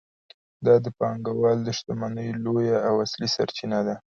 دا د پانګوال د شتمنۍ لویه او اصلي سرچینه ده